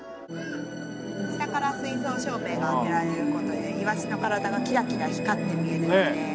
下から水槽照明が当てられる事でイワシの体がキラキラ光って見えるので。